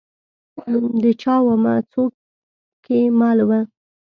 د چا ومه؟ څوک کې مل وه ؟